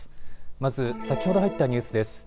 まず先ほど入ったニュースです。